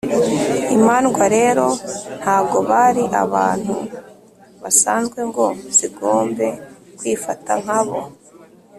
imandwa rero ntago bari abantu basanzwe ngo zigombe kwifata nkabo.